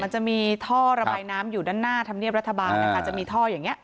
มันจะมีท่อระบายน้ำอยู่ด้านหน้าธรรมเนียบรัฐบาลนะคะจะมีท่ออย่างนี้